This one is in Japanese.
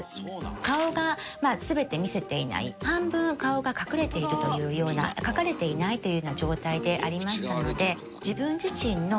顔が全て見せていない半分顔が隠れているというような描かれていないというような状態でありましたので。